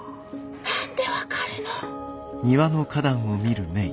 何で分かるの？